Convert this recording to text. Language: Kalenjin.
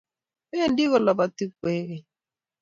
bendi koloboti kwekeny.